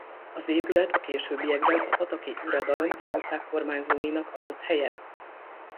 Az épület a későbbiekben a pataki uradalom jószágkormányzóinak adott helyet.